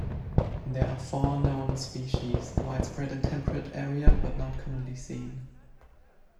There are four known species, widespread in temperate area but not commonly seen.